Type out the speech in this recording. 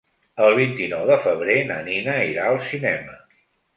El vint-i-nou de febrer na Nina irà al cinema.